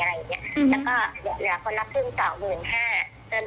เหมือนเขาก็ไปรับสู่เราว่าต้องโดนโดนติดคุกนะ